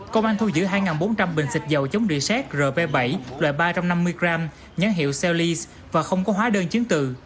công an thu giữ hai bốn trăm linh bình xịt dầu chống địa xét rb bảy loại ba trăm năm mươi g nhãn hiệu cellis và không có hóa đơn chiến tự